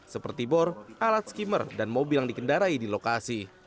seperti bor alat skimmer dan mobil yang dikendarai di lokasi